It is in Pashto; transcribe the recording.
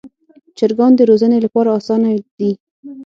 چرګان د روزنې لپاره اسانه دي.